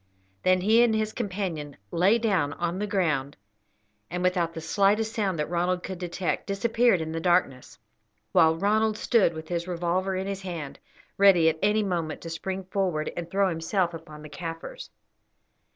Then he and his companion lay down on the ground, and, without the slightest sound that Ronald could detect, disappeared in the darkness, while Ronald stood with his revolver in his hand, ready at any moment to spring forward and throw himself upon the Kaffirs.